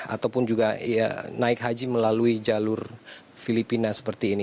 ataupun juga naik haji melalui jalur filipina seperti ini